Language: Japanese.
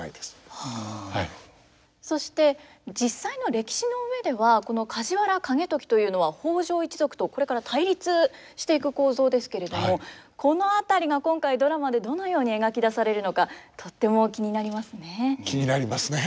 そして実際の歴史の上ではこの梶原景時というのは北条一族とこれから対立していく構造ですけれどもこの辺りが今回ドラマでどのように描き出されるのかとっても気になりますね。